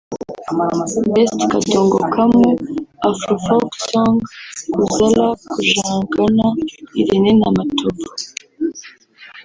Best Kadongo Kamu/ Afro Folk Song – Kuzaala Kujagaana – Irene Namatovu